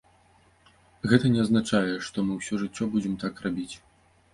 Гэта не азначае, што мы ўсё жыццё будзем так рабіць.